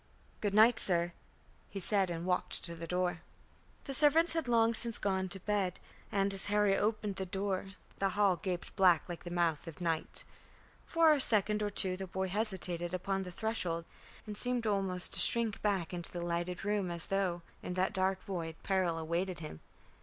"Good night, sir," he said, and walked to the door. The servants had long since gone to bed; and, as Harry opened the door, the hall gaped black like the mouth of night. For a second or two the boy hesitated upon the threshold, and seemed almost to shrink back into the lighted room as though in that dark void peril awaited him.